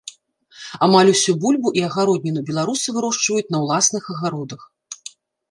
Амаль усю бульбу і агародніну беларусы вырошчваюць на ўласных агародах.